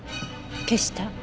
消した？